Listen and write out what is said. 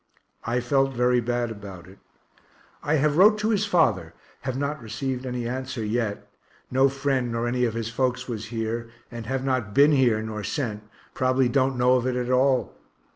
I felt very bad about it. I have wrote to his father have not received any answer yet; no friend nor any of his folks was here, and have not been here nor sent probably don't know of it at all.